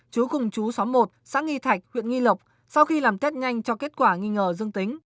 chú cùng chú xóm một xã nghi thạch huyện nghi lộc sau khi làm test nhanh cho kết quả nghi ngờ dương tính